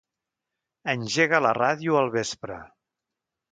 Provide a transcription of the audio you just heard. Engega la ràdio al vespre.